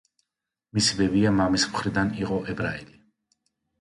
მისი ბებია მამის მხრიდან იყო ებრაელი.